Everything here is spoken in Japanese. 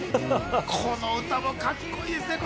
この歌もカッコいいですね。